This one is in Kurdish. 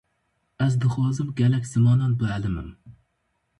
Ez dixwazim gelek zimanan bielimim.